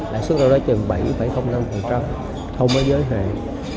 lãi suất đó là chừng bảy năm không có giới hạn